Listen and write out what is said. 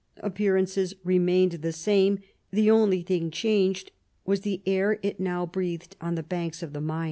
Appearances remained the same, the only thing changed was the air it now breathed on the banks of the Main.